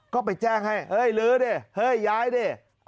ก็ไปแจ้งให้เฮ้ยลื้อดิเฮ้ยย้ายดิ